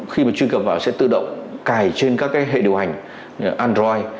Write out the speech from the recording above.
khi mà chuyên cập vào sẽ tự động cài trên các hệ điều hành android